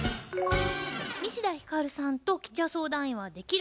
西田ひかるさんと吉弥相談員は「できる」